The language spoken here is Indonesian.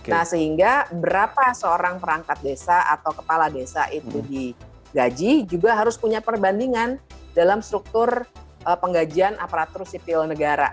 nah sehingga berapa seorang perangkat desa atau kepala desa itu digaji juga harus punya perbandingan dalam struktur penggajian aparatur sipil negara